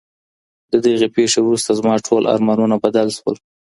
د دغي پېښي وروسته زما ټول ارمانونه بدل سول.